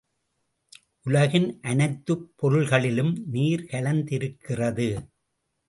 உலகின் அனைத்துப் பொருள்களிலும் நீர் கலந்திருக்கிறது.